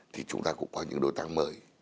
thì chúng ta cũng có những đối tác mới